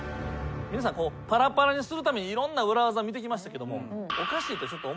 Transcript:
皆さんパラパラにするためにいろんな裏技見てきましたけども。